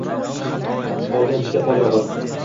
Qolgan ishga qor yog’adi